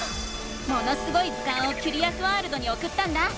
「ものすごい図鑑」をキュリアスワールドにおくったんだ。